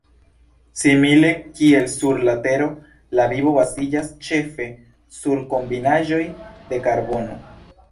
Simile kiel sur la Tero, la vivo baziĝas ĉefe sur kombinaĵoj de karbono.